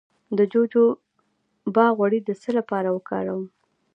د جوجوبا غوړي د څه لپاره وکاروم؟